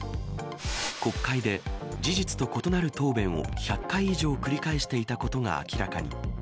国会で事実と異なる答弁を１００以上繰り返していたことが明らかに。